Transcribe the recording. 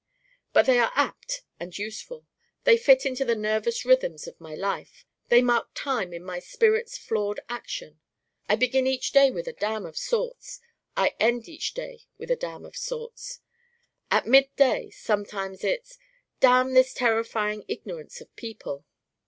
But they are apt and useful. They fit into the nervous rhythms of my life. They mark time in my spirit's flawed action. I begin each day with a Damn of sorts. I end each day with a Damn of sorts. At midday sometimes it's, 'Damn the terrifying ignorance of people.